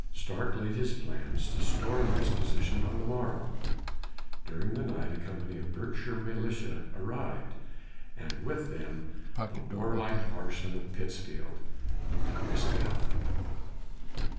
Stark laid his plans to storm this position on the morrow. During the night, a company of Berkshire militia arrived, and with them the warlike parson of Pittsfield, Thomas Allen.